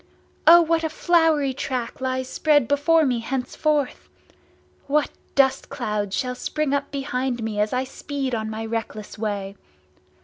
O what a flowery track lies spread before me, henceforth! What dust clouds shall spring up behind me as I speed on my reckless way!